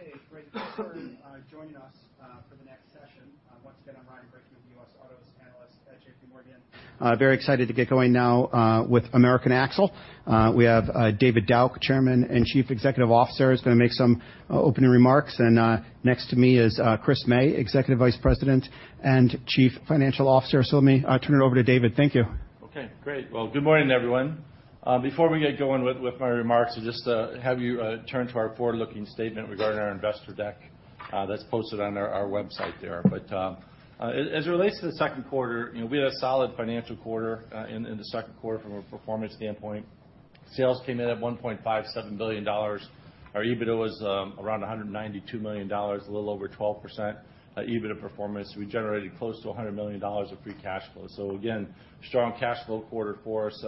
Okay, great. Joining us for the next session, once again, I'm Ryan Brinkman, U.S. Autos Analyst at J.P. Morgan. Very excited to get going now with American Axle. We have David Dauch, Chairman and Chief Executive Officer, is gonna make some opening remarks. Next to me is Chris May, Executive Vice President and Chief Financial Officer. Let me turn it over to David. Thank you. Okay, great. Well, good morning, everyone. Before we get going with, with my remarks, I just have you turn to our forward-looking statement regarding our investor deck that's posted on our website there. As, as it relates to the second quarter, you know, we had a solid financial quarter in the second quarter from a performance standpoint. Sales came in at $1.57 billion. Our EBITDA was around $192 million, a little over 12% EBITDA performance. We generated close to $100 million of free cash flow. Again, strong cash flow quarter for us,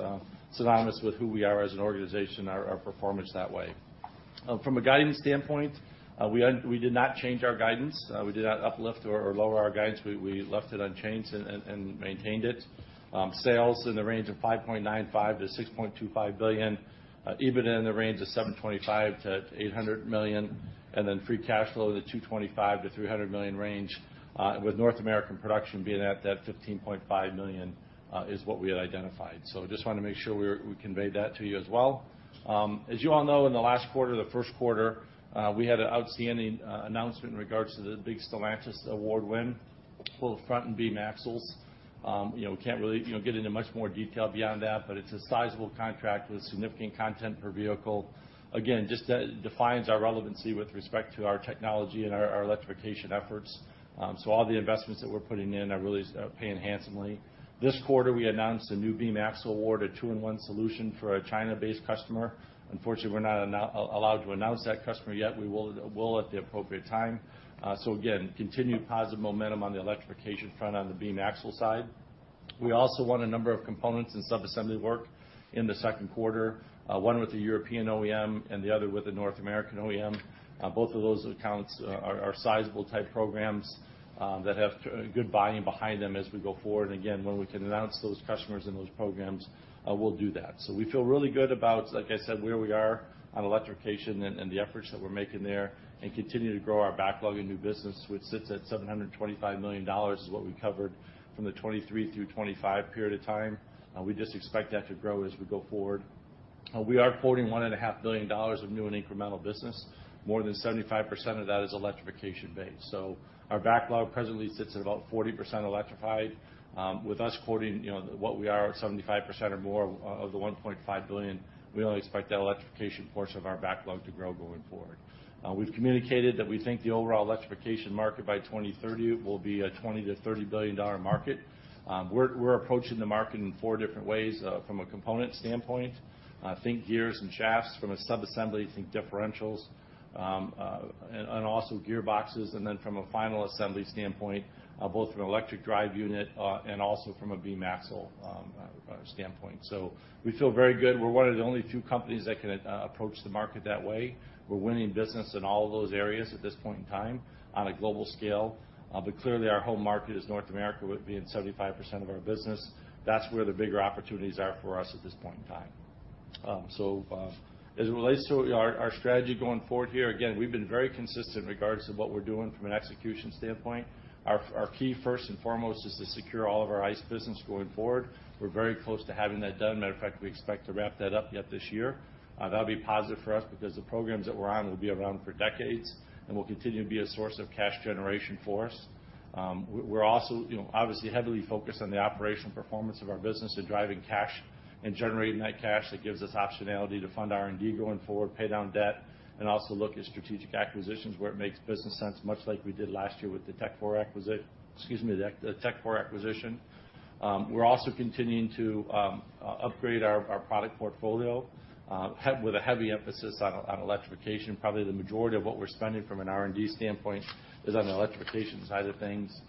synonymous with who we are as an organization, our performance that way. From a guidance standpoint, we did not change our guidance. We did not uplift or, or lower our guidance. We, we left it unchanged and, and, and maintained it. Sales in the range of $5.95 billion-$6.25 billion, EBITDA in the range of $725 million-$800 million, then free cash flow to $225 million-$300 million range, with North American production being at that 15.5 million, is what we had identified. Just wanna make sure we're- we conveyed that to you as well. As you all know, in the last quarter, the first quarter, we had an outstanding announcement in regards to the big Stellantis award win, both front and beam axles. You know, we can't really, you know, get into much more detail beyond that, but it's a sizable contract with significant content per vehicle. Just defines our relevancy with respect to our technology and our, our electrification efforts. All the investments that we're putting in are really paying handsomely. This quarter, we announced a new beam axle award, a two-in-one solution for a China-based customer. Unfortunately, we're not allowed to announce that customer yet. We will at the appropriate time. Again, continued positive momentum on the electrification front on the beam axle side. We also won a number of components and sub-assembly work in the second quarter, one with the European OEM and the other with the North American OEM. Both of those accounts are sizable-type programs that have good volume behind them as we go forward. Again, when we can announce those customers and those programs, we'll do that. We feel really good about, like I said, where we are on electrification and, and the efforts that we're making there, and continue to grow our backlog and new business, which sits at $725 million, is what we covered from the 2023-2025 period of time. We just expect that to grow as we go forward. We are quoting $1.5 billion of new and incremental business. More than 75% of that is electrification-based. Our backlog presently sits at about 40% electrified. With us quoting, you know, what we are, 75% or more of, of the $1.5 billion, we only expect that electrification portion of our backlog to grow going forward. We've communicated that we think the overall electrification market by 2030 will be a $20 billion-$30 billion market. We're approaching the market in 4 different ways, from a component standpoint, think gears and shafts, from a sub-assembly, think differentials, also gearboxes. From a final assembly standpoint, both from an electric drive unit, and also from a beam axle standpoint. We feel very good. We're one of the only 2 companies that can approach the market that way. We're winning business in all of those areas at this point in time on a global scale. Clearly, our home market is North America, with being 75% of our business. That's where the bigger opportunities are for us at this point in time. As it relates to our strategy going forward here, again, we've been very consistent in regards to what we're doing from an execution standpoint. Our key, first and foremost, is to secure all of our ICE business going forward. We're very close to having that done. Matter of fact, we expect to wrap that up yet this year. That'll be positive for us because the programs that we're on will be around for decades and will continue to be a source of cash generation for us. We're also, you know, obviously heavily focused on the operational performance of our business and driving cash and generating that cash that gives us optionality to fund R&D going forward, pay down debt, and also look at strategic acquisitions where it makes business sense, much like we did last year with the Tekfor acquisition, excuse me, the Tekfor acquisition. We're also continuing to upgrade our product portfolio, with a heavy emphasis on electrification. Probably, the majority of what we're spending from an R&D standpoint is on the electrification side of things.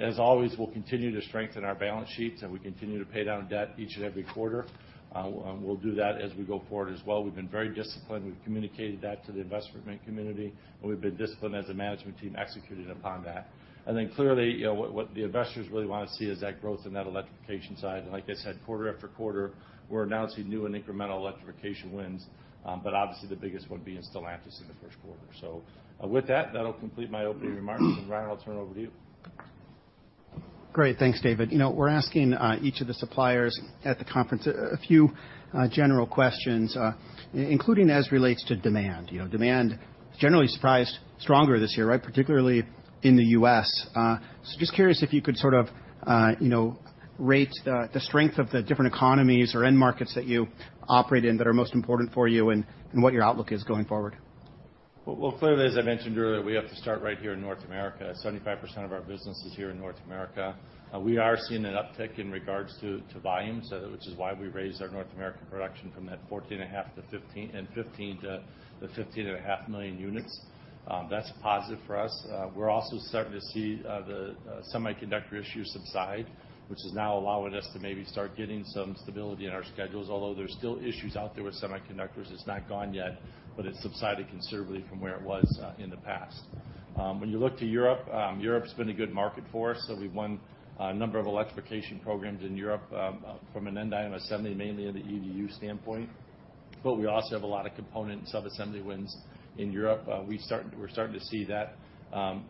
As always, we'll continue to strengthen our balance sheets, and we continue to pay down debt each and every quarter. We'll do that as we go forward as well. We've been very disciplined. We've communicated that to the investment community, and we've been disciplined as a management team executing upon that. Clearly, you know, what, what the investors really wanna see is that growth in that electrification side. Like I said, quarter after quarter, we're announcing new and incremental electrification wins, but obviously, the biggest one being Stellantis in the first quarter. With that, that'll complete my opening remarks. Ryan, I'll turn it over to you. Great. Thanks, David. You know, we're asking each of the suppliers at the conference a, a few general questions including as relates to demand. You know, demand, generally surprised, stronger this year, right? Particularly in the U.S. Just curious if you could sort of, you know, rate the strength of the different economies or end markets that you operate in that are most important for you and, and what your outlook is going forward. Well, well, clearly, as I mentioned earlier, we have to start right here in North America. 75% of our business is here in North America. We are seeing an uptick in regards to, to volumes, which is why we raised our North American production from that 14.5 to 15, and 15 to the 15.5 million units. That's positive for us. We're also starting to see the semiconductor issue subside, which is now allowing us to maybe start getting some stability in our schedules, although there's still issues out there with semiconductors. It's not gone yet, but it's subsided considerably from where it was in the past. When you look to Europe, Europe's been a good market for us. We've won a number of electrification programs in Europe from an end item assembly, mainly in the EDU standpoint. We also have a lot of component and sub-assembly wins in Europe. We're starting to see that,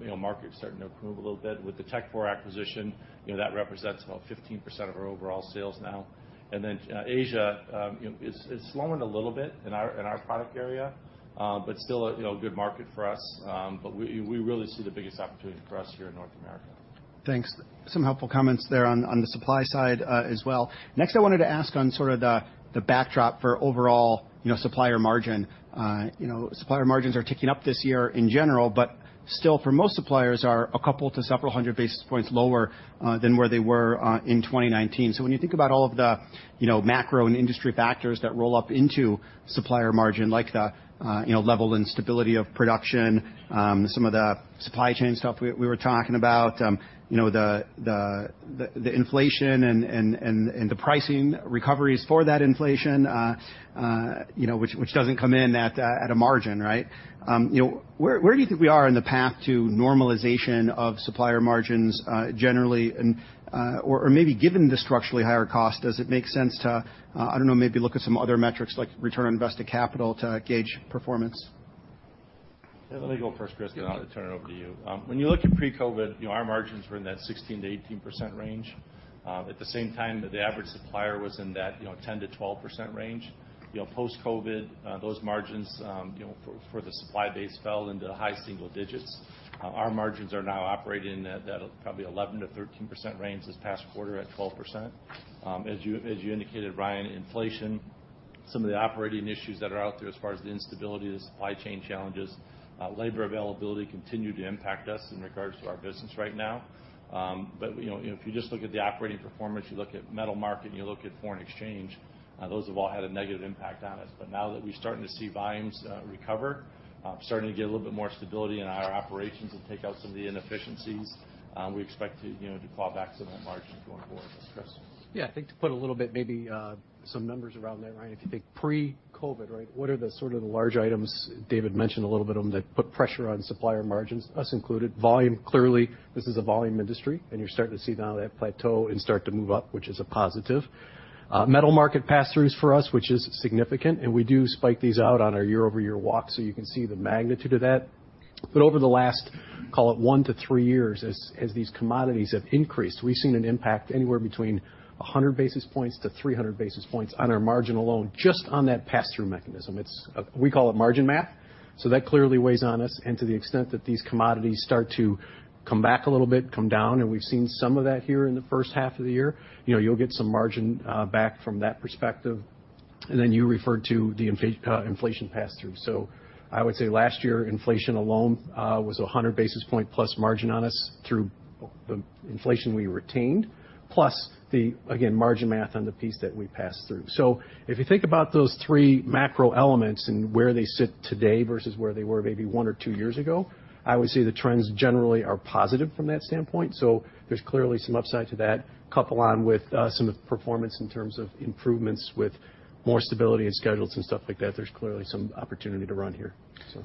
you know, market starting to improve a little bit. With the Tekfor acquisition, you know, that represents about 15% of our overall sales now. Asia, you know, is slowing a little bit in our product area, but still a, you know, good market for us. We really see the biggest opportunity for us here in North America. Thanks. Some helpful comments there on the supply side as well. Next, I wanted to ask on sort of the backdrop for overall, you know, supplier margin. You know, supplier margins are ticking up this year in general, but still, for most suppliers, are a couple to several hundred basis points lower than where they were in 2019. When you think about all of the, you know, macro and industry factors that roll up into supplier margin, like the, you know, level and stability of production, some of the supply chain stuff we were talking about, you know, the inflation and the pricing recoveries for that inflation, you know, which doesn't come in at a margin, right? You know, where, where do you think we are in the path to normalization of supplier margins, generally, and, or, or maybe given the structurally higher cost, does it make sense to, I don't know, maybe look at some other metrics, like return on invested capital, to gauge performance? Yeah, let me go first, Chris, then I'll turn it over to you. When you look at pre-COVID, you know, our margins were in that 16%-18% range. At the same time, the average supplier was in that, you know, 10%-12% range. You know, post-COVID, those margins, you know, for, for the supply base, fell into the high single digits. Our margins are now operating in that, that probably 11%-13% range this past quarter, at 12%. As you, as you indicated, Ryan, inflation, some of the operating issues that are out there as far as the instability, the supply chain challenges, labor availability continue to impact us in regards to our business right now. you know, if you just look at the operating performance, you look at metal market, and you look at foreign exchange, those have all had a negative impact on us. Now that we're starting to see volumes, recover, starting to get a little bit more stability in our operations and take out some of the inefficiencies, we expect to, you know, to claw back some of that margin going forward. Chris? Yeah, I think to put a little bit, maybe, some numbers around that, Ryan, if you think pre-COVID, right, what are the sort of the large items, David mentioned a little bit of them, that put pressure on supplier margins, us included. Volume, clearly, this is a volume industry, and you're starting to see now that plateau and start to move up, which is a positive. Metal market pass-throughs for us, which is significant, and we do spike these out on our year-over-year walk, so you can see the magnitude of that. Over the last, call it 1-3 years, as these commodities have increased, we've seen an impact anywhere between 100 basis points-300 basis points on our margin alone, just on that pass-through mechanism. It's, we call it margin math. That clearly weighs on us, and to the extent that these commodities start to come back a little bit, come down, and we've seen some of that here in the first half of the year, you know, you'll get some margin back from that perspective. You referred to the inflation pass-through. I would say last year, inflation alone was 100 basis point plus margin on us through the inflation we retained, plus the, again, margin math on the piece that we passed through. If you think about those three macro elements and where they sit today versus where they were maybe one or two years ago, I would say the trends generally are positive from that standpoint. There's clearly some upside to that. Couple on with, some of the performance in terms of improvements with more stability and schedules and stuff like that, there's clearly some opportunity to run here, so.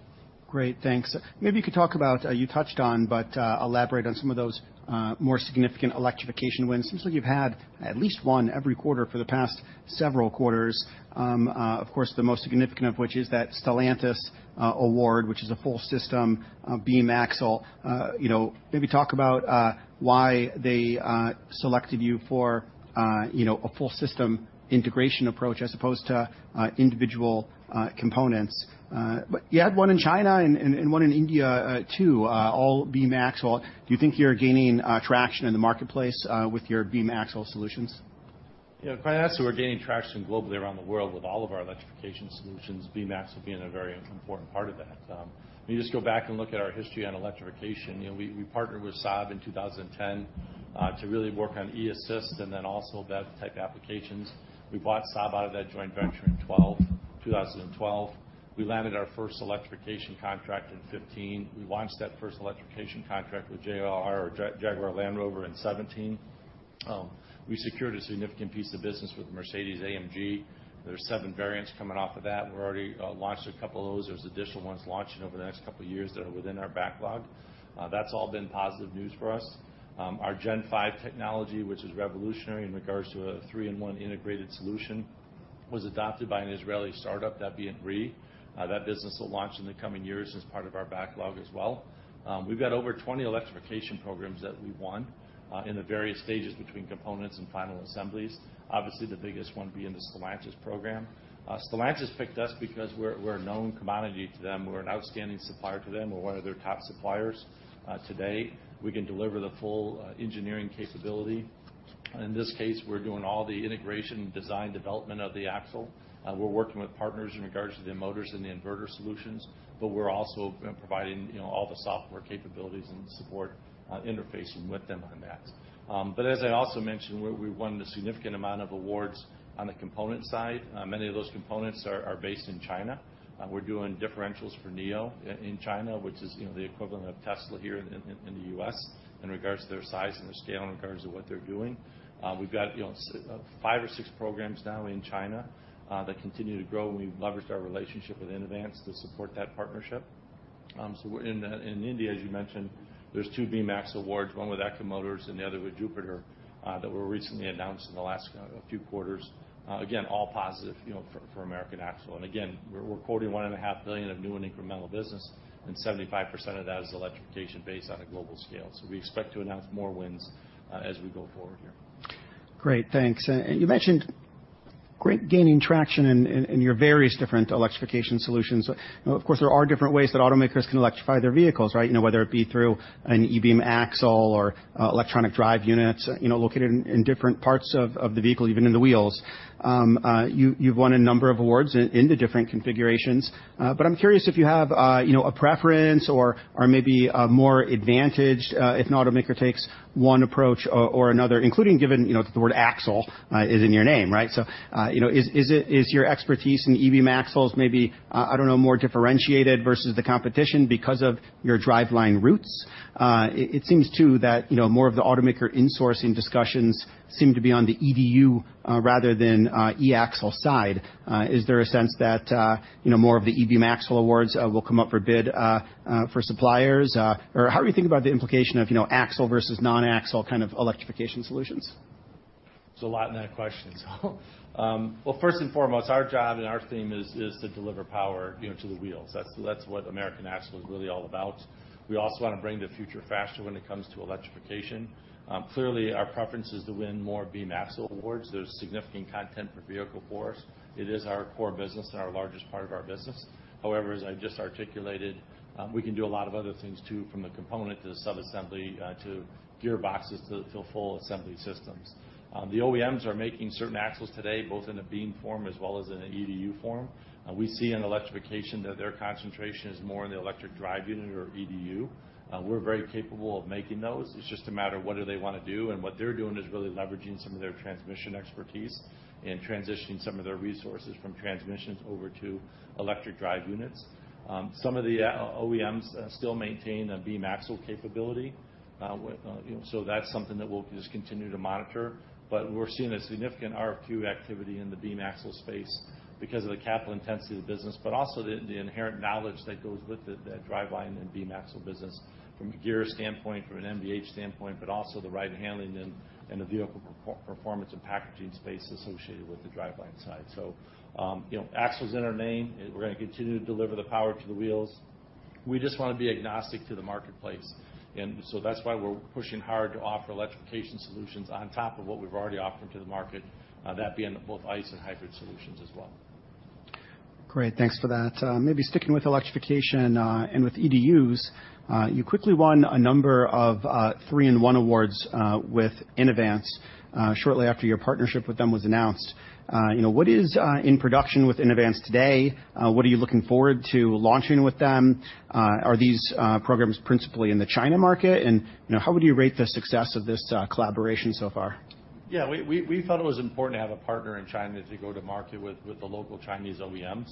Great, thanks. Maybe you could talk about, you touched on, but elaborate on some of those more significant electrification wins. Seems like you've had at least one every quarter for the past several quarters. Of course, the most significant of which is that Stellantis award, which is a full system, beam axle. You know, maybe talk about why they selected you for, you know, a full system integration approach as opposed to individual components. You had one in China and, and, and one in India, too, all beam axle. Do you think you're gaining traction in the marketplace with your beam axle solutions? Yeah, quite honestly, we're gaining traction globally around the world with all of our electrification solutions, beam axle being a very important part of that. When you just go back and look at our history on electrification, you know, we, we partnered with Saab in 2010 to really work on eAssist and then also BEV-type applications. We bought Saab out of that joint venture in 2012, 2012. We landed our first electrification contract in 2015. We launched that first electrification contract with JLR, Jaguar Land Rover, in 2017. We secured a significant piece of business with Mercedes-AMG. There are seven variants coming off of that. We're already launched a couple of those. There's additional ones launching over the next couple of years that are within our backlog. That's all been positive news for us. Our Gen 5 technology, which is revolutionary in regards to a three-in-one integrated solution, was adopted by an Israeli startup, that being REE. That business will launch in the coming years as part of our backlog as well. We've got over 20 electrification programs that we won, in the various stages between components and final assemblies. Obviously, the biggest one being the Stellantis program. Stellantis picked us because we're, we're a known commodity to them. We're an outstanding supplier to them. We're one of their top suppliers. Today, we can deliver the full engineering capability. In this case, we're doing all the integration, design, development of the axle. We're working with partners in regards to the motors and the inverter solutions, but we're also providing, you know, all the software capabilities and support, interfacing with them on that. As I also mentioned, we, we've won a significant amount of awards on the component side. Many of those components are based in China. We're doing differentials for NIO in China, which is, you know, the equivalent of Tesla here in the U.S., in regards to their size and their scale, in regards to what they're doing. We've got, you know, five or six programs now in China that continue to grow, and we've leveraged our relationship with Inavance to support that partnership. In India, as you mentioned, there's two beam axle awards, one with Eicher Motors and the other with Jupiter that were recently announced in the last few quarters. All positive, you know, for American Axle. Again, we're quoting $1.5 billion of new and incremental business, and 75% of that is electrification based on a global scale. We expect to announce more wins as we go forward here. Great, thanks. You mentioned great gaining traction in your various different electrification solutions. Of course, there are different ways that automakers can electrify their vehicles, right? You know, whether it be through an e-beam axle or electronic drive units, you know, located in different parts of the vehicle, even in the wheels. You've won a number of awards in the different configurations, but I'm curious if you have, you know, a preference or maybe a more advantaged if an automaker takes one approach or another, including given, you know, the word axle is in your name, right? Is your expertise in e-beam axles maybe, I don't know, more differentiated versus the competition because of your driveline roots? It, it seems too that, you know, more of the automaker insourcing discussions seem to be on the EDU, rather than, e-axle side. Is there a sense that, you know, more of the e-beam axle awards, will come up for bid, for suppliers? How do we think about the implication of, you know, axle versus non-axle kind of electrification solutions? There's a lot in that question. Well, first and foremost, our job and our theme is, is to deliver power, you know, to the wheels. That's, that's what American Axle is really all about. We also want to bring the future faster when it comes to electrification. Clearly, our preference is to win more beam axle awards. There's significant content per vehicle for us. It is our core business and our largest part of our business. However, as I just articulated, we can do a lot of other things, too, from the component to the sub-assembly, to gearboxes to, to full assembly systems. The OEMs are making certain axles today, both in a beam form as well as in an EDU form. We see in electrification that their concentration is more in the electric drive unit or EDU. We're very capable of making those. It's just a matter of what do they want to do, and what they're doing is really leveraging some of their transmission expertise and transitioning some of their resources from transmissions over to electric drive units. Some of the OEMs still maintain a beam axle capability. That's something that we'll just continue to monitor. We're seeing a significant RFQ activity in the beam axle space because of the capital intensity of the business, but also the, the inherent knowledge that goes with the, that driveline and beam axle business from a gear standpoint, from an NVH standpoint, but also the ride and handling and, and the vehicle performance and packaging space associated with the driveline side. You know, axle's in our name. We're going to continue to deliver the power to the wheels. We just want to be agnostic to the marketplace, and so that's why we're pushing hard to offer electrification solutions on top of what we've already offered to the market, that being both ICE and hybrid solutions as well. Great, thanks for that. maybe sticking with electrification, and with EDUs, you quickly won a number of 3-in-1 awards with Inovance shortly after your partnership with them was announced. you know, what is in production with Inovance today? What are you looking forward to launching with them? Are these programs principally in the China market? you know, how would you rate the success of this collaboration so far? Yeah, we, we, we thought it was important to have a partner in China to go to market with, with the local Chinese OEMs.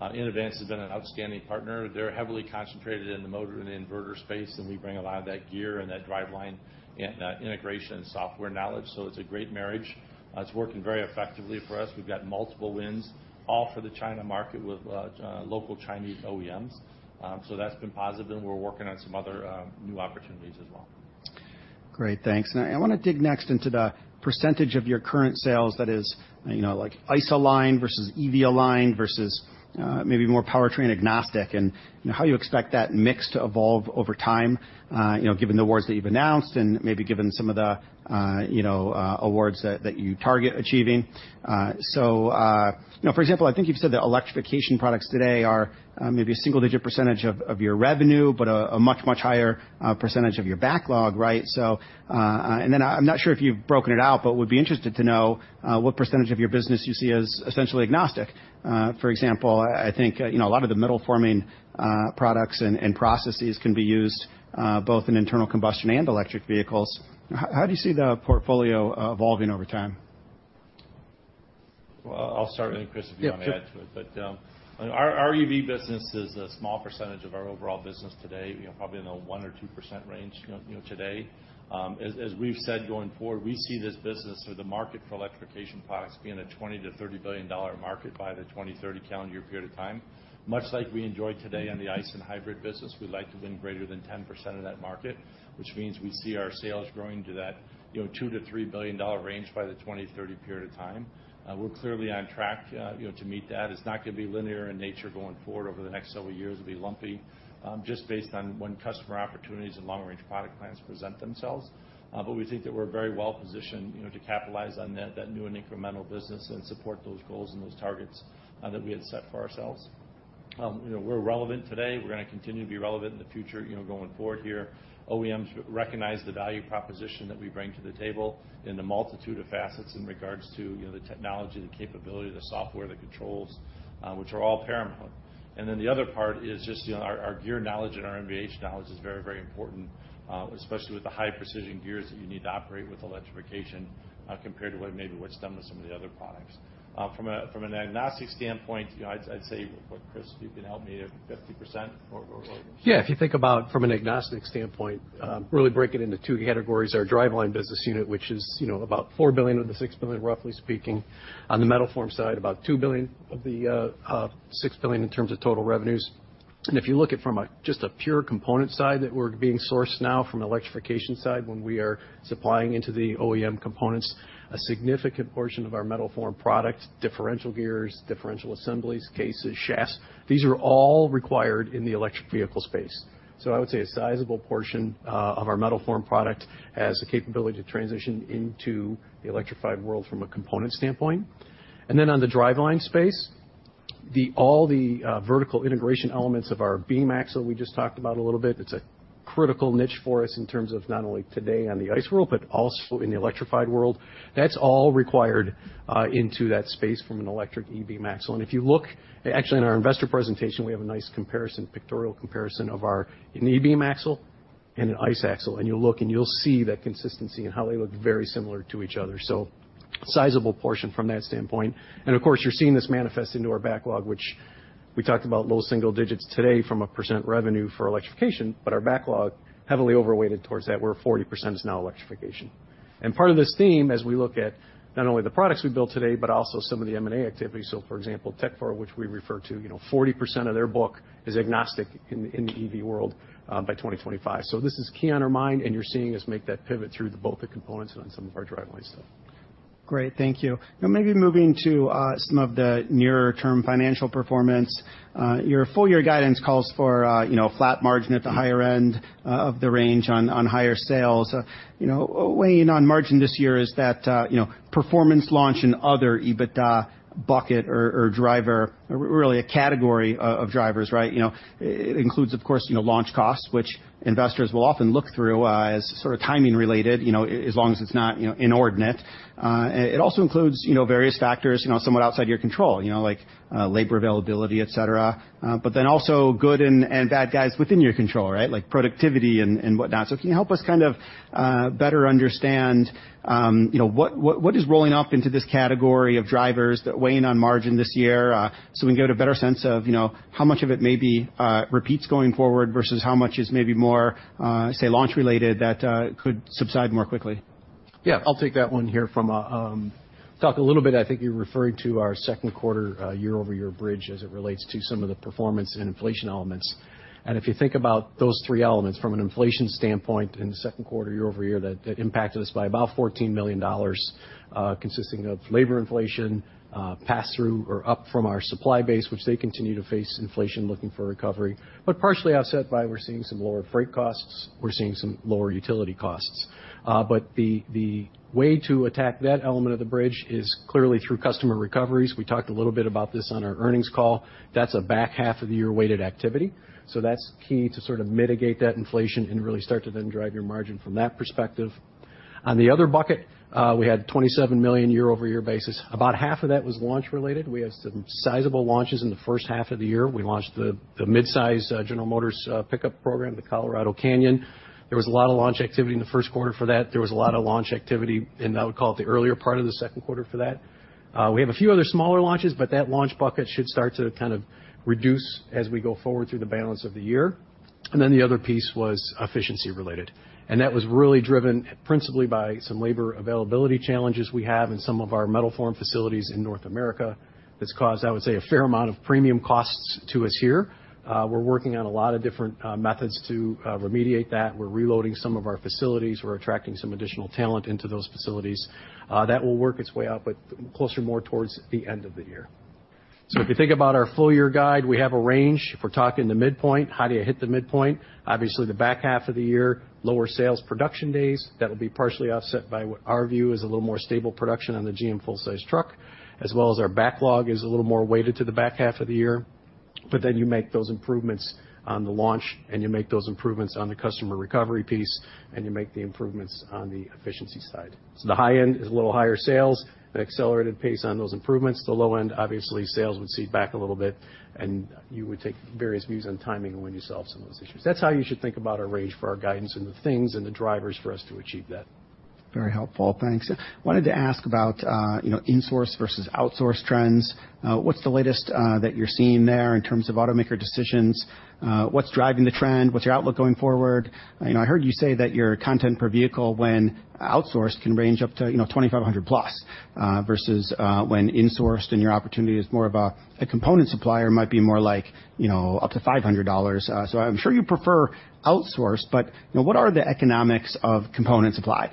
Inovance has been an outstanding partner. They're heavily concentrated in the motor and the inverter space, and we bring a lot of that gear and that driveline and integration and software knowledge, so it's a great marriage. It's working very effectively for us. We've got multiple wins, all for the China market with local Chinese OEMs. That's been positive, and we're working on some other new opportunities as well. Great, thanks. I want to dig next into the % of your current sales that is, you know, like ICE aligned versus EV aligned versus, maybe more powertrain agnostic, and, you know, how you expect that mix to evolve over time, you know, given the awards that you've announced and maybe given some of the, you know, awards that, that you target achieving. For example, I think you've said that electrification products today are, maybe a single-digit % of, of your revenue, but a, a much, much higher, % of your backlog, right? I'm not sure if you've broken it out, but would be interested to know, what % of your business you see as essentially agnostic. For example, I think, you know, a lot of the metal forming, products and, and processes can be used, both in internal combustion and electric vehicles. How, how do you see the portfolio, evolving over time? Well, I'll start, and, Chris, if you want to add to it. Yeah. Our EV business is a small percentage of our overall business today, you know, probably in the 1% or 2% range, you know, today. As, as we've said, going forward, we see this business or the market for electrification products being a $20 billion-$30 billion market by the 2030 calendar year period of time. Much like we enjoy today on the ICE and hybrid business, we'd like to win greater than 10% of that market, which means we see our sales growing to that, you know, $2 billion-$3 billion range by the 2030 period of time. We're clearly on track, you know, to meet that. It's not going to be linear in nature going forward over the next several years. It'll be lumpy, just based on when customer opportunities and long-range product plans present themselves. We think that we're very well positioned, you know, to capitalize on that, that new and incremental business and support those goals and those targets, that we had set for ourselves. You know, we're relevant today. We're going to continue to be relevant in the future, you know, going forward here. OEMs recognize the value proposition that we bring to the table in the multitude of facets in regards to, you know, the technology, the capability, the software, the controls, which are all paramount. The other part is just, you know, our, our gear knowledge and our NVH knowledge is very, very important, especially with the high-precision gears that you need to operate with electrification, compared to what maybe what's done with some of the other products. From an agnostic standpoint, you know, I'd, I'd say, what, Chris, you can help me, 50% or... Yeah, if you think about from an agnostic standpoint, really break it into two categories, our driveline business unit, which is, you know, about $4 billion of the $6 billion, roughly speaking. On the metal form side, about $2 billion of the $6 billion in terms of total revenues. If you look at from a, just a pure component side that we're being sourced now from an electrification side, when we are supplying into the OEM components, a significant portion of our metal form product, differential gears, differential assemblies, cases, shafts, these are all required in the electric vehicle space. I would say a sizable portion of our metal form product has the capability to transition into the electrified world from a component standpoint. On the driveline space, all the vertical integration elements of our beam axle, we just talked about a little bit, it's a critical niche for us in terms of not only today on the ICE world, but also in the electrified world. That's all required into that space from an electric EV beam axle. If you look, actually, in our investor presentation, we have a nice comparison, pictorial comparison of our, an EV beam axle and an ICE axle. You'll look, and you'll see that consistency and how they look very similar to each other. Sizable portion from that standpoint. Of course, you're seeing this manifest into our backlog, which we talked about low single digits today from a % revenue for electrification, but our backlog heavily overweighted towards that, where 40% is now electrification. Part of this theme, as we look at not only the products we built today, but also some of the M&A activities. For example, Techfar, which we refer to, you know, 40% of their book is agnostic in the EV world by 2025. This is key on our mind, and you're seeing us make that pivot through both the components and on some of our driveline stuff. Great. Thank you. Maybe moving to, some of the nearer-term financial performance. Your full year guidance calls for a, you know, flat margin at the higher end, of the range on, on higher sales. You know, weighing on margin this year is that, you know, performance launch and other EBITDA bucket or, or driver, really a category of, of drivers, right? You know, it includes, of course, you know, launch costs, which investors will often look through, as sort of timing-related, you know, as long as it's not, you know, inordinate. It also includes, you know, various factors, you know, somewhat outside your control, you know, like, labor availability, et cetera, also good and, and bad guys within your control, right? Like productivity and, and whatnot. Can you help us kind of, better understand, you know, what, what, what is rolling up into this category of drivers that weighing on margin this year, so we can get a better sense of, you know, how much of it may be, repeats going forward versus how much is maybe more, say, launch-related that, could subside more quickly? Yeah, I'll take that one here. Talk a little bit, I think you're referring to our second quarter, year-over-year bridge as it relates to some of the performance and inflation elements. If you think about those three elements from an inflation standpoint in the second quarter, year-over-year, that impacted us by about $14 million, consisting of labor inflation, pass-through or up from our supply base, which they continue to face inflation, looking for recovery, but partially offset by we're seeing some lower freight costs, we're seeing some lower utility costs. The way to attack that element of the bridge is clearly through customer recoveries. We talked a little bit about this on our earnings call. That's a back half of the year weighted activity, so that's key to sort of mitigate that inflation and really start to then drive your margin from that perspective. On the other bucket, we had $27 million year-over-year basis. About half of that was launch related. We had some sizable launches in the first half of the year. We launched the, the mid-size, General Motors, pickup program, the Colorado Canyon. There was a lot of launch activity in the first quarter for that. There was a lot of launch activity, and I would call it the earlier part of the second quarter for that. We have a few other smaller launches, but that launch bucket should start to kind of reduce as we go forward through the balance of the year. Then the other piece was efficiency related, and that was really driven principally by some labor availability challenges we have in some of our metal form facilities in North America. That's caused, I would say, a fair amount of premium costs to us here. We're working on a lot of different methods to remediate that. We're reloading some of our facilities. We're attracting some additional talent into those facilities. That will work its way out, but closer, more towards the end of the year. If you think about our full year guide, we have a range. If we're talking the midpoint, how do you hit the midpoint? Obviously, the back half of the year, lower sales production days, that'll be partially offset by what our view is a little more stable production on the GM full-size truck, as well as our backlog is a little more weighted to the back half of the year. Then you make those improvements on the launch, and you make those improvements on the customer recovery piece, and you make the improvements on the efficiency side. The high end is a little higher sales, an accelerated pace on those improvements. The low end, obviously, sales would seed back a little bit, and you would take various views on timing and when you solve some of those issues. That's how you should think about our range for our guidance and the things and the drivers for us to achieve that. Very helpful. Thanks. I wanted to ask about, you know, insource versus outsource trends. What's the latest that you're seeing there in terms of automaker decisions? What's driving the trend? What's your outlook going forward? You know, I heard you say that your content per vehicle, when outsourced, can range up to, you know, $2,500+, versus when insourced and your opportunity as more of a, a component supplier might be more like, you know, up to $500. I'm sure you prefer outsourced, but, you know, what are the economics of component supply?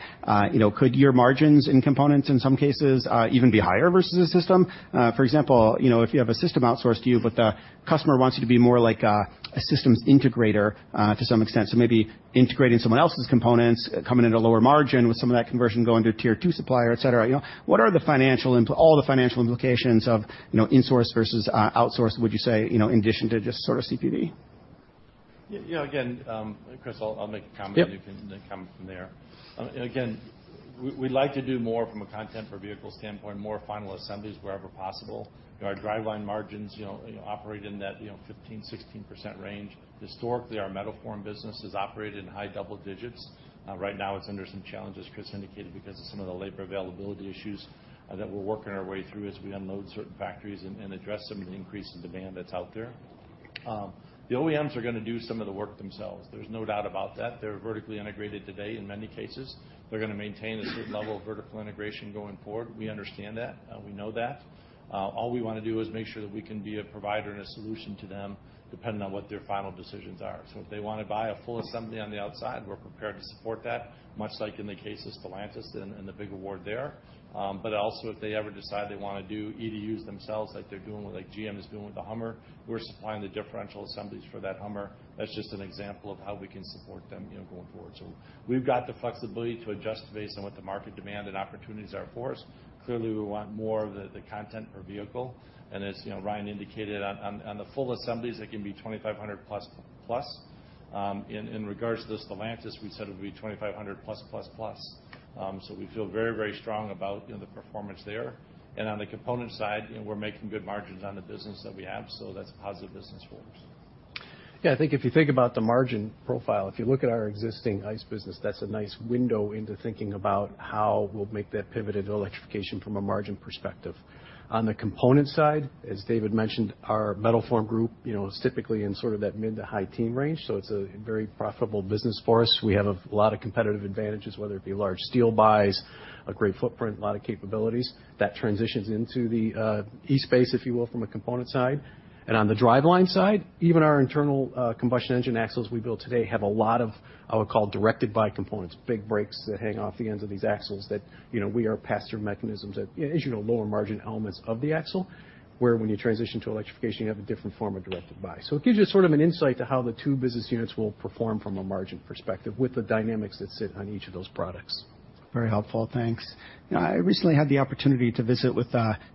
You know, could your margins in components, in some cases, even be higher versus a system? For example, you know, if you have a system outsourced to you, but the customer wants you to be more like a, a systems integrator, to some extent. So maybe integrating someone else's components, coming at a lower margin with some of that conversion going to a tier two supplier, et cetera. You know, what are the financial implications of, you know, insource versus, outsource, would you say, you know, in addition to just sort of CPD? Yeah. Again, Chris, I'll, I'll make a comment- Yep. You can then come from there. Again, we, we'd like to do more from a content per vehicle standpoint, more final assemblies wherever possible. Our driveline margins, you know, operate in that, you know, 15%-16% range. Historically, our metal form business has operated in high double digits. Right now it's under some challenges, Chris indicated, because of some of the labor availability issues that we're working our way through as we unload certain factories and address some of the increase in demand that's out there. The OEMs are gonna do some of the work themselves. There's no doubt about that. They're vertically integrated today in many cases. They're gonna maintain a certain level of vertical integration going forward. We understand that, we know that. All we want to do is make sure that we can be a provider and a solution to them, depending on what their final decisions are. If they want to buy a full assembly on the outside, we're prepared to support that, much like in the case of Stellantis and, and the big award there. But also, if they ever decide they want to do EDUs themselves, like they're doing with, like GM is doing with the Hummer, we're supplying the differential assemblies for that Hummer. That's just an example of how we can support them, you know, going forward. We've got the flexibility to adjust based on what the market demand and opportunities are for us. Clearly, we want more of the, the content per vehicle, and as, you know, Ryan indicated on, on, on the full assemblies, it can be $2,500+. In, in regards to the Stellantis, we said it would be 2,500 plus, plus, plus. We feel very, very strong about, you know, the performance there. On the component side, you know, we're making good margins on the business that we have, so that's a positive business for us. Yeah, I think if you think about the margin profile, if you look at our existing ICE business, that's a nice window into thinking about how we'll make that pivot into electrification from a margin perspective. On the component side, as David mentioned, our metal form group, you know, is typically in sort of that mid to high teen range, so it's a very profitable business for us. We have a lot of competitive advantages, whether it be large steel buys, a great footprint, a lot of capabilities. That transitions into the E space, if you will, from a component side. On the driveline side, even our internal combustion engine axles we build today have a lot of, I would call, directed buy components, big brakes that hang off the ends of these axles that, you know, we are passer mechanisms that, as you know, lower margin elements of the axle, where when you transition to electrification, you have a different form of directed buy. It gives you sort of an insight to how the two business units will perform from a margin perspective, with the dynamics that sit on each of those products. Very helpful. Thanks. I recently had the opportunity to visit with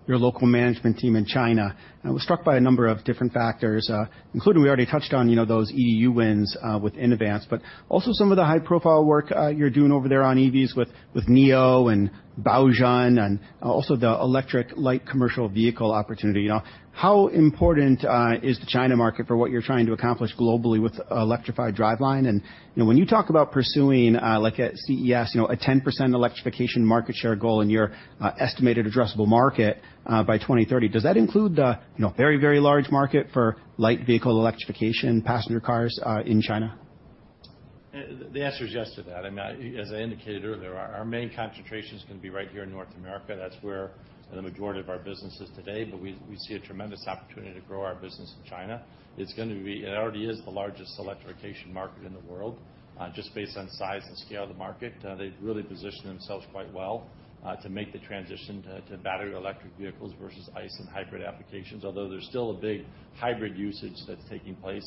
your local management team in China, and I was struck by a number of different factors, including, we already touched on, you know, those EDU wins with Inovance, but also some of the high-profile work you're doing over there on EVs with, with NIO and Baojun, and also the electric light commercial vehicle opportunity. How important is the China market for what you're trying to accomplish globally with electrified driveline? You know, when you talk about pursuing, like at CES, you know, a 10% electrification market share goal in your estimated addressable market by 2030, does that include the, you know, very, very large market for light vehicle electrification, passenger cars, in China? The answer is yes to that. I mean, as I indicated earlier, our main concentration is gonna be right here in North America. That's where the majority of our business is today, but we, we see a tremendous opportunity to grow our business in China. It's gonna be, it already is the largest electrification market in the world, just based on size and scale of the market. They've really positioned themselves quite well to make the transition to, to battery electric vehicles versus ICE and hybrid applications, although there's still a big hybrid usage that's taking place.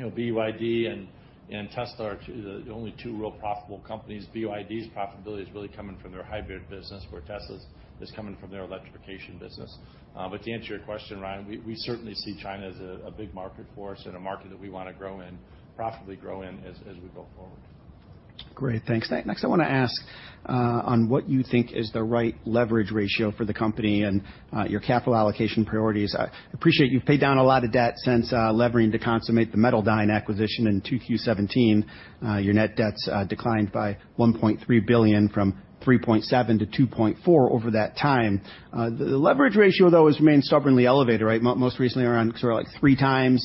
You know, BYD and, and Tesla are the, the only two real profitable companies. BYD's profitability is really coming from their hybrid business, where Tesla's is coming from their electrification business. To answer your question, Ryan, we, we certainly see China as a, a big market for us and a market that we wanna grow in, profitably grow in as, as we go forward. Great, thanks. Next, I want to ask on what you think is the right leverage ratio for the company and your capital allocation priorities. I appreciate you've paid down a lot of debt since levering to consummate the Metaldyne acquisition in 2Q17. Your net debts declined by $1.3 billion, from $3.7 billion to $2.4 billion over that time. The leverage ratio, though, has remained stubbornly elevated, right? Most recently around sort of like 3x,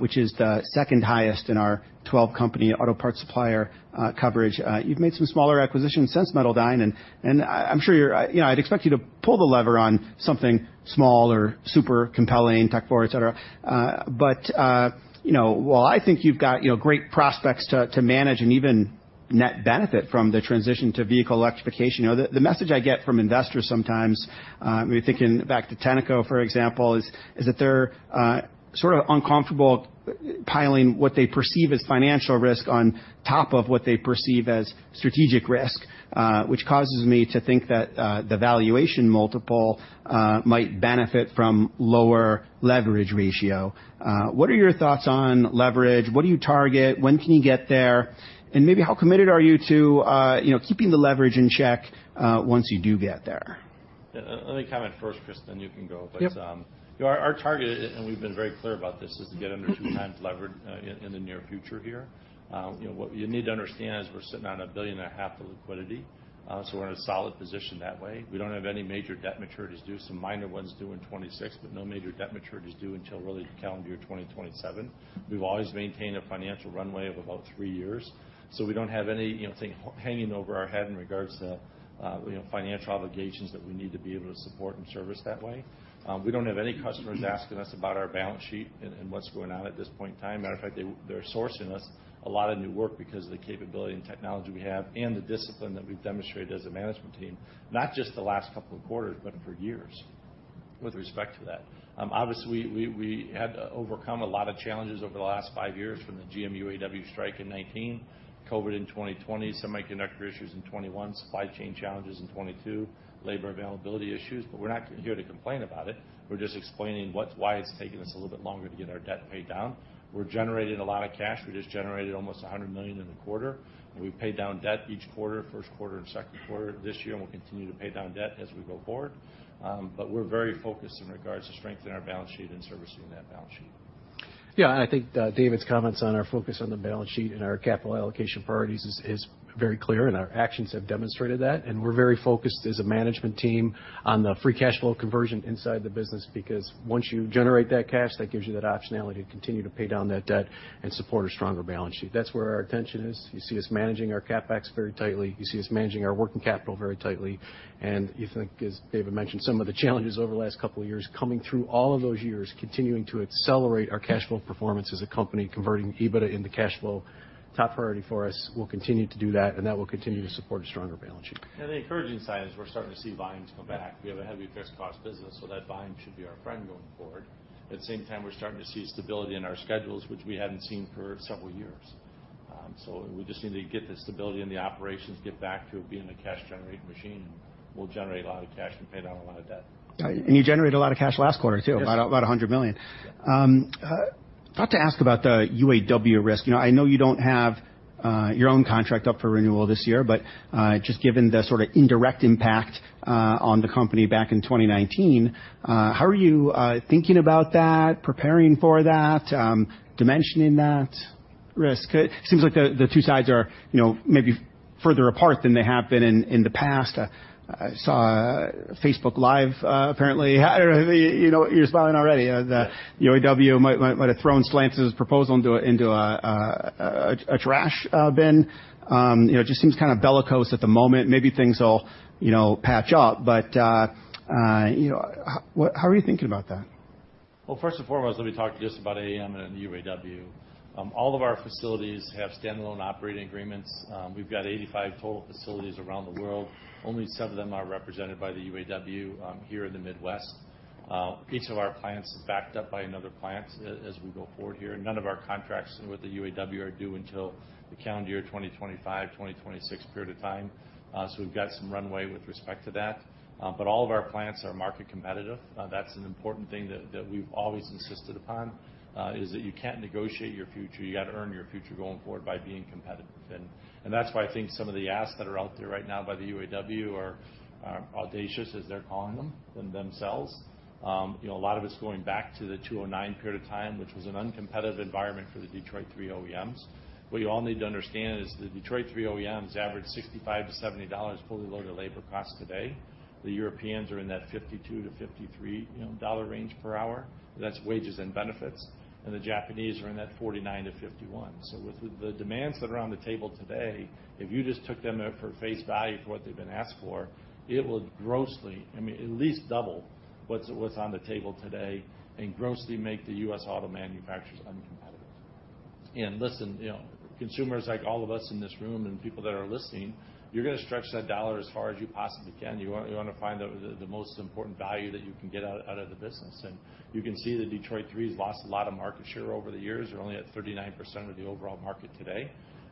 which is the second highest in our 12-company auto parts supplier coverage. You've made some smaller acquisitions since Metaldyne, and I'm sure you're, you know, I'd expect you to pull the lever on something small or super compelling, tech forward, et cetera. You know, while I think you've got, you know, great prospects to, to manage and even net benefit from the transition to vehicle electrification, you know, the, the message I get from investors sometimes, me thinking back to Tenneco, for example, is, is that they're sort of uncomfortable piling what they perceive as financial risk on top of what they perceive as strategic risk, which causes me to think that, the valuation multiple might benefit from lower leverage ratio. What are your thoughts on leverage? What do you target? When can you get there? Maybe how committed are you to, you know, keeping the leverage in check, once you do get there? Let me comment first, Chris, then you can go. Yep. You know, our, our target, and we've been very clear about this, is to get under 2 times leverage in the near future here. You know, what you need to understand is we're sitting on $1.5 billion of liquidity, so we're in a solid position that way. We don't have any major debt maturities due, some minor ones due in 2026, but no major debt maturities due until really calendar year 2027. We've always maintained a financial runway of about 3 years, so we don't have any, you know, thing hanging over our head in regards to, you know, financial obligations that we need to be able to support and service that way. We don't have any customers asking us about our balance sheet and, and what's going on at this point in time. Matter of fact, they, they're sourcing us a lot of new work because of the capability and technology we have and the discipline that we've demonstrated as a management team, not just the last couple of quarters, but for years with respect to that. Obviously, we, we, we had to overcome a lot of challenges over the last five years, from the GM UAW strike in 2019, COVID in 2020, semiconductor issues in 2021, supply chain challenges in 2022, labor availability issues, but we're not here to complain about it. We're just explaining what's why it's taking us a little bit longer to get our debt paid down. We're generating a lot of cash. We just generated almost $100 million in a quarter. We paid down debt each quarter, first quarter and second quarter of this year. We'll continue to pay down debt as we go forward. We're very focused in regards to strengthening our balance sheet and servicing that balance sheet. Yeah, I think, David's comments on our focus on the balance sheet and our capital allocation priorities is, is very clear, and our actions have demonstrated that, and we're very focused as a management team on the free cash flow conversion inside the business, because once you generate that cash, that gives you that optionality to continue to pay down that debt and support a stronger balance sheet. That's where our attention is. You see us managing our CapEx very tightly. You see us managing our working capital very tightly, and you think, as David mentioned, some of the challenges over the last couple of years, coming through all of those years, continuing to accelerate our cash flow performance as a company, converting EBITDA into cash flow, top priority for us. We'll continue to do that, and that will continue to support a stronger balance sheet. The encouraging side is we're starting to see volumes come back. We have a heavy fixed cost business, so that volume should be our friend going forward. At the same time, we're starting to see stability in our schedules, which we haven't seen for several years. We just need to get the stability in the operations, get back to being a cash-generating machine. We'll generate a lot of cash and pay down a lot of debt. Yeah, you generated a lot of cash last quarter, too. Yes. About, about $100 million. I'd like to ask about the UAW risk. You know, I know you don't have your own contract up for renewal this year, but just given the sort of indirect impact on the company back in 2019, how are you thinking about that, preparing for that, dimensioning that risk? It seems like the, the two sides are, you know, maybe further apart than they have been in, in the past. I saw a Facebook Live, apparently, you know, you're smiling already. The UAW might, might, might have thrown Stellantis' proposal into a, into a, a, a trash bin. You know, it just seems kind of bellicose at the moment. Maybe things will, you know, patch up, but you know, how are you thinking about that? Well, first and foremost, let me talk just about AAM and the UAW. All of our facilities have standalone operating agreements. We've got 85 total facilities around the world. Only 7 of them are represented by the UAW here in the Midwest. Each of our plants is backed up by another plant as we go forward here. None of our contracts with the UAW are due until the calendar year, 2025, 2026 period of time. We've got some runway with respect to that. All of our plants are market competitive. That's an important thing that, that we've always insisted upon, is that you can't negotiate your future. You got to earn your future going forward by being competitive. That's why I think some of the asks that are out there right now by the UAW are audacious, as they're calling them themselves. You know, a lot of it's going back to the 2009 period of time, which was an uncompetitive environment for the Detroit Three OEMs. What you all need to understand is the Detroit Three OEMs average $65-$70 fully loaded labor cost today. The Europeans are in that $52-$53, you know, dollar range per hour. That's wages and benefits, the Japanese are in that $49-$51. With the demands that are on the table today, if you just took them at for face value for what they've been asked for, it would grossly, I mean, at least double what's on the table today and grossly make the U.S. auto manufacturers uncompetitive. Listen, you know, consumers like all of us in this room and people that are listening, you're gonna stretch that dollar as far as you possibly can. You want, you want to find out the, the most important value that you can get out, out of the business, and you can see the Detroit Three's lost a lot of market share over the years. They're only at 39% of the overall market today.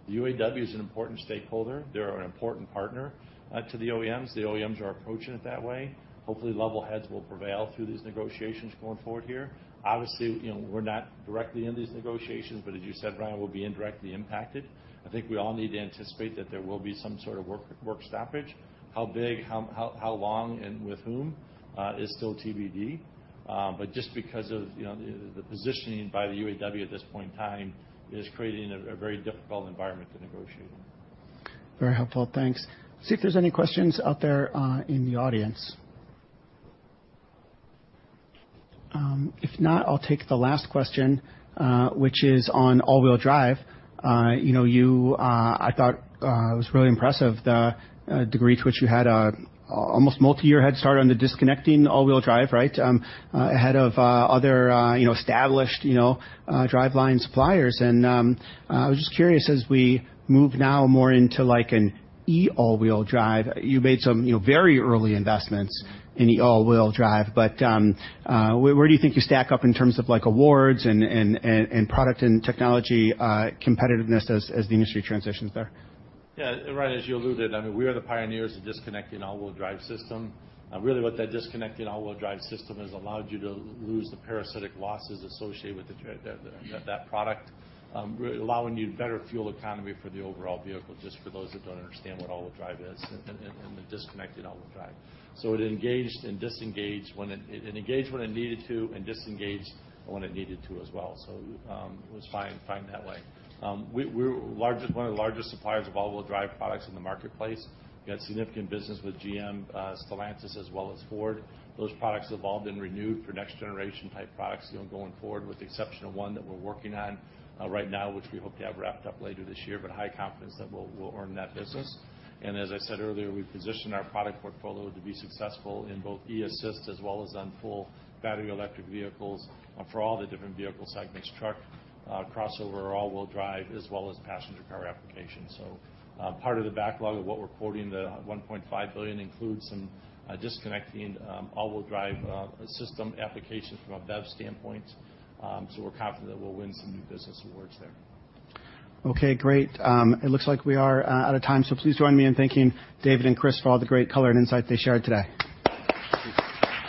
The UAW is an important stakeholder. They're an important partner to the OEMs. The OEMs are approaching it that way. Hopefully, level heads will prevail through these negotiations going forward here. Obviously, you know, we're not directly in these negotiations, but as you said, Ryan, we'll be indirectly impacted. I think we all need to anticipate that there will be some sort of work stoppage. How big, how, how, how long, and with whom, is still TBD. Just because of, you know, the, the positioning by the UAW at this point in time is creating a, a very difficult environment to negotiate in. Very helpful. Thanks. See if there's any questions out there in the audience. If not, I'll take the last question, which is on all-wheel drive. You know, you, I thought, it was really impressive, the degree to which you had a almost multi-year head start on the disconnecting all-wheel drive, right? Ahead of other, you know, established, you know, driveline suppliers. I was just curious, as we move now more into like an E all-wheel drive, you made some, you know, very early investments in the all-wheel drive. Where, where do you think you stack up in terms of, like, awards and, and, and, and product and technology, competitiveness as, as the industry transitions there? Yeah, Ryan, as you alluded, I mean, we are the pioneers of disconnecting all-wheel drive system. Really, what that disconnecting all-wheel drive system has allowed you to lose the parasitic losses associated with the the, the, that product, really allowing you better fuel economy for the overall vehicle, just for those that don't understand what all-wheel drive is and, and, and the disconnected all-wheel drive. It engaged and disengaged when it. It engaged when it needed to and disengaged when it needed to as well. It was fine, fine that way. We, we're largest-- one of the largest suppliers of all-wheel drive products in the marketplace. We had significant business with GM, Stellantis, as well as Ford. Those products evolved and renewed for next-generation type products, you know, going forward, with the exception of one that we're working on, right now, which we hope to have wrapped up later this year, but high confidence that we'll, we'll earn that business. As I said earlier, we've positioned our product portfolio to be successful in both eAssist as well as on full battery electric vehicles, for all the different vehicle segments: truck, crossover, all-wheel drive, as well as passenger car applications. Part of the backlog of what we're quoting, the $1.5 billion, includes some disconnecting all-wheel drive system applications from a BEV standpoint. We're confident we'll win some new business awards there. Okay, great. It looks like we are out of time, so please join me in thanking David and Chris for all the great color and insight they shared today.